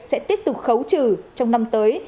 sẽ tiếp tục khấu trừ trong năm tới